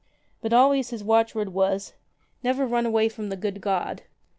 But always his watchword was — Never run away jrom the good God.